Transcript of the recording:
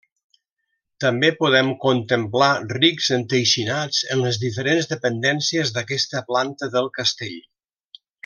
També podem contemplar rics enteixinats en les diferents dependències d'aquesta planta del castell.